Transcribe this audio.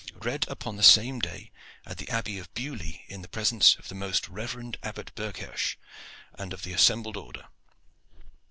Read upon the same day at the Abbey of Beaulieu in the presence of the most reverend Abbot Berghersh and of the assembled order.